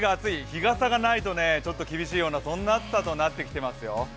日傘がないとちょっと厳しいようなそんな暑さとなってきてますよ。